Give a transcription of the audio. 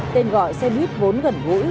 tên gọi xe buýt vốn gần gũi